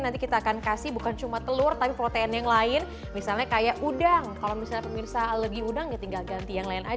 nanti kita akan kasih bukan cuma telur tapi juga isiannya juga bisa kita isi di dalamnya jadi kita bisa